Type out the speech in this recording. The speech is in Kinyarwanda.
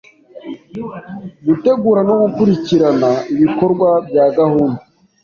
Gutegura no gukurikirana ibikorwa bya gahunda